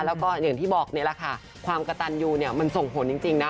แล้วยังที่บอกนี่แหละค่ะความกระตันอยู่มันส่งผลจริงน่ะ